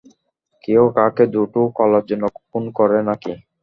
কেউ কাউকে দুটো কলার জন্য খুন করে নাকি?